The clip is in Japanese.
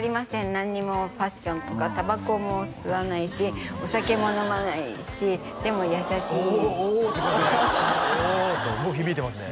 何にもファッションとかタバコも吸わないしお酒も飲まないしでも優しいおお「おお」って言ってますね「おお」と響いてますね